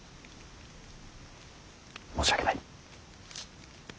申し訳ない。